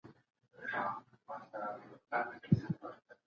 مه پرېږدئ چي سياسي کړنې د خلګو د غولولو لپاره وکارول سي.